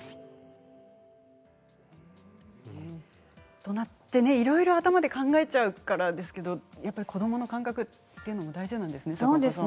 大人っていろいろ頭で考えちゃいますけれども子どもの感覚って大事なんですね。